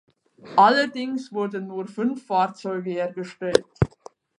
Allerdings wurden nur fünf Fahrzeuge hergestellt.